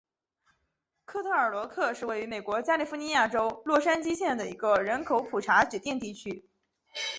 利特尔罗克是位于美国加利福尼亚州洛杉矶县的一个人口普查指定地区。